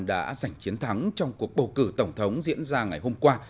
đã giành chiến thắng trong cuộc bầu cử tổng thống diễn ra ngày hôm qua